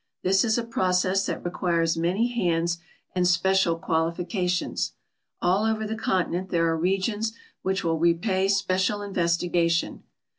This is a process that re quires many hands and special qualifications. All over the con tinent there are regions which will repay special investigation.